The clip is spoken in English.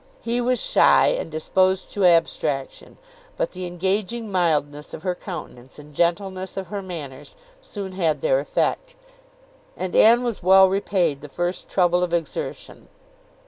He was shy, and disposed to abstraction; but the engaging mildness of her countenance, and gentleness of her manners, soon had their effect; and Anne was well repaid the first trouble of exertion.